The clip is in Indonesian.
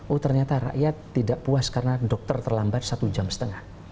oh ternyata rakyat tidak puas karena dokter terlambat satu jam setengah